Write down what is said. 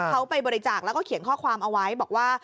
เขาไปบริจาคแล้วก็เขียนข้อความเอาไว้บอกว่า